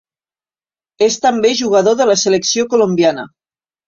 És també jugador de la selecció colombiana.